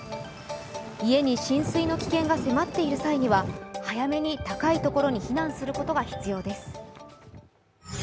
家に浸水の危険が迫っている際には早めに高い所に避難することが必要です。